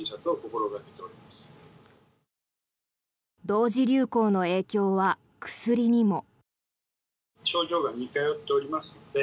同時流行の影響は薬にも。